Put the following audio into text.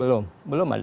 belum belum ada